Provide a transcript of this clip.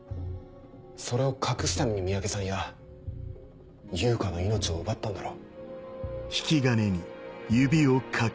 それを隠すために三宅さんや悠香の命を奪ったんだろ？